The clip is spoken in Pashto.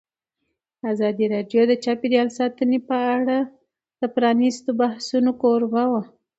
ازادي راډیو د چاپیریال ساتنه په اړه د پرانیستو بحثونو کوربه وه.